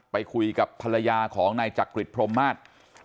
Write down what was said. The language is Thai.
ไปคุยกับภรรยาของนายจักริจพรมมาศ